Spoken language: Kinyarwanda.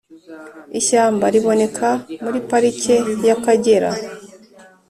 ishyamba riboneka muri Parike y’Akagera